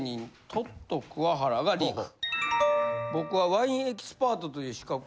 トット桑原がリーク。